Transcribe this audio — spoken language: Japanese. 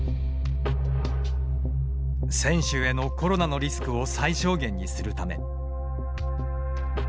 選手へのコロナのリスクを最小限にするため。